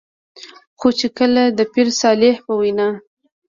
خو چې کله د پير صالح په وېنا